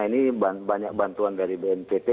ini banyak bantuan dari bnpt